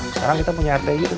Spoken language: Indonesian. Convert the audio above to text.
sekarang kita punya rt gitu